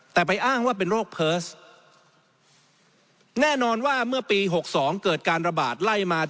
แต่ไปอ้างว่าเป็นโรคเพิร์สแน่นอนว่าเมื่อปี๖๒เกิดการระบาดไล่มา